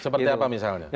seperti apa misalnya